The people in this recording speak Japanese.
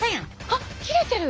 あっ切れてる！